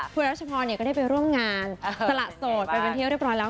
พวกเราเฉพาะเนี่ยก็ได้ไปร่วมงานสละโสดไปเว้นเที่ยวได้พร้อมแล้ว